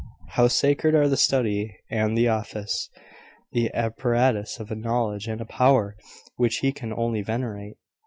How sacred are the study and the office, the apparatus of a knowledge and a power which he can only venerate!